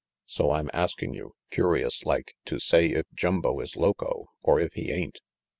So I'm asking you, curious like,, to sav if Jumbo is loco or if he ain't."